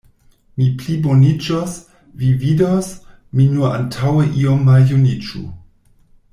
Mi pliboniĝos, vi vidos, mi nur antaŭe iom maljuniĝu!